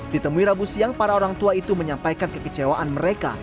ditemui rabu siang para orang tua itu menyampaikan kekecewaan mereka